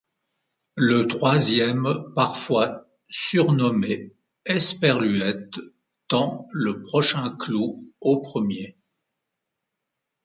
Le troisième, parfois surnommé Esperluette, tend le prochain clou au premier.